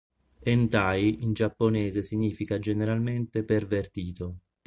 Hentai in giapponese significa generalmente "pervertito".